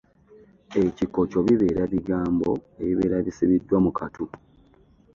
Ekikokyo bibeera bigambo ebibeera bisibiddwa mu katu.